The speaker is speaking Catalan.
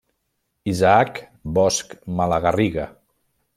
Isaac Bosch Malagarriga.